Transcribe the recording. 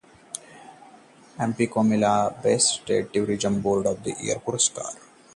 MP को मिला 'best state tourism board of the year' पुरस्कार